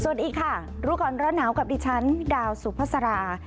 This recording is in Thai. สวัสดีค่ะรูกรอดเหรอดหนาวกับดิฉันดาวสุพษรา